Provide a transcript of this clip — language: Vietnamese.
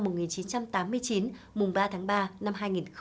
mùng ba tháng ba năm hai nghìn một mươi chín